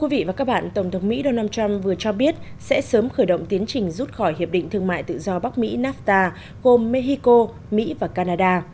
quý vị và các bạn tổng thống mỹ donald trump vừa cho biết sẽ sớm khởi động tiến trình rút khỏi hiệp định thương mại tự do bắc mỹ nafta gồm mexico mỹ và canada